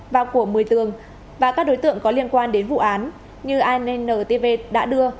vào của một mươi tường và các đối tượng có liên quan đến vụ án như anntv đã đưa